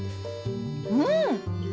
うん！